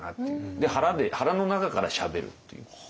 腹の中からしゃべるっていう。